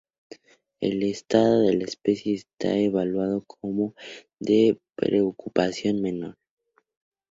El estado de la especie está evaluado como de preocupación menor.